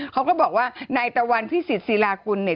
เขาก็บอกว่าในตะวันพี่สิทธิ์ศีลาคุณเนี่ย